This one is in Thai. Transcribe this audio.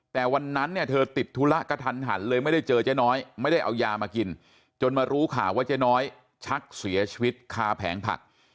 แต่วันนั้นเนี่ยเธอติดธุระกระทันหันเลยไม่ได้เจอเจ๊น้อยไม่ได้เอายามากินจนมารู้ข่าวว่าเจ๊น้อยชักเสียชีวิตคาแผงผัก